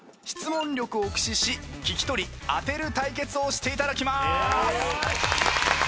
質問力を駆使し聞き取り当てる対決をしていただきます。